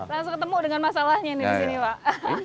langsung ketemu dengan masalahnya ini di sini pak